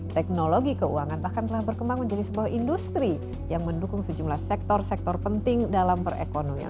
teknologi keuangan bahkan telah berkembang menjadi sebuah industri yang mendukung sejumlah sektor sektor penting dalam perekonomian